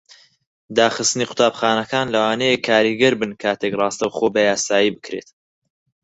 داخستنی قوتابخانەکان لەوانەیە کاریگەر بن کاتێک ڕاستەوخۆ بەیاسایی بکرێت.